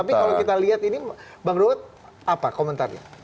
tapi kalau kita lihat ini bang ruhut apa komentarnya